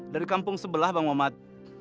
dari kampung sebelah bang muhammad